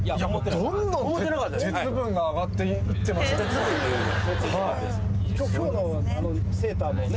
どんどん鉄分が上がってますね。